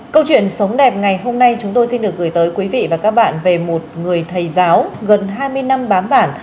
câu chuyện sống đẹp ngày hôm nay chúng tôi xin được gửi tới quý vị và các bạn về một người thầy giáo gần hai mươi năm bám bản